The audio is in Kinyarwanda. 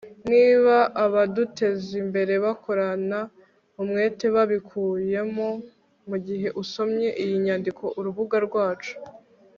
Niba abadutezimbere bakorana umwete babikuyemo mugihe usomye iyi nyandiko Urubuga rwacu